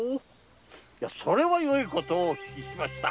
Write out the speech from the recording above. それはよいことをお聞きしました。